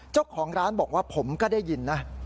เจ้าของร้านบอกว่าผมก็ได้ยินนะ